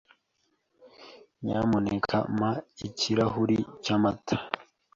Nyamuneka mpa ikirahuri cyamata.